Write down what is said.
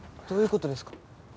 どういう事ですか？